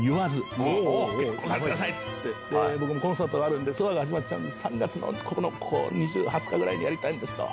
僕もコンサートがあるんでツアーが始まっちゃうんで３月２０日ぐらいにやりたいです。